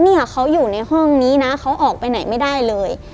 เนี่ยเขาอยู่ในห้องนี้นะเขาออกไปไหนไม่ได้เลย